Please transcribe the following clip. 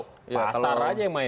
pasar saja yang main